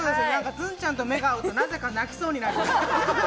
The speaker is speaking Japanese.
ズンちゃんと目が合うと何故か泣きそうになります。